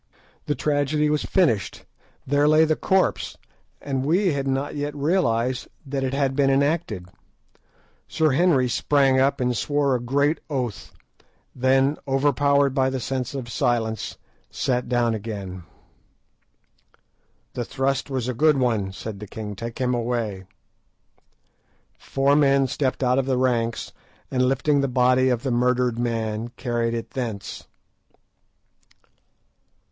The tragedy was finished; there lay the corpse, and we had not yet realised that it had been enacted. Sir Henry sprang up and swore a great oath, then, overpowered by the sense of silence, sat down again. "The thrust was a good one," said the king; "take him away." Four men stepped out of the ranks, and lifting the body of the murdered man, carried it thence.